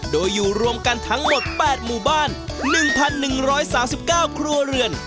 โดยอยู่รวมกันทั้งหมด๘หมู่บ้าน๑๑๓๙ครัวเรือน